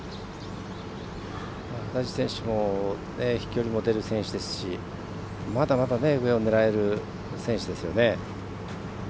幡地選手も飛距離も出る選手ですしまだまだ上を狙える選手ですよね。